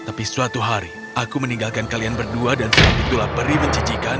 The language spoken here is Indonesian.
tapi suatu hari aku meninggalkan kalian berdua dan saat itulah peri menjijikan